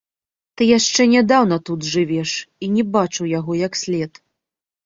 Ты яшчэ нядаўна тут жывеш і не бачыў яго як след.